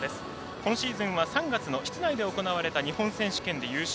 今シーズンは３月の室内で行われた日本選手権で優勝。